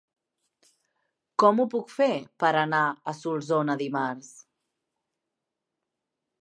Com ho puc fer per anar a Solsona dimarts?